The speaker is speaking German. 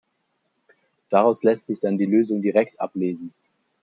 Daraus lässt sich dann die Lösung direkt ablesen.